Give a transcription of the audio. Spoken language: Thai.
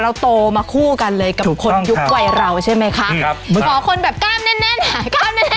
โตมาคู่กันเลยกับคนยุควัยเราใช่ไหมคะครับขอคนแบบกล้ามแน่นแน่นหายกล้ามแน่น